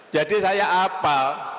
jadi saya apa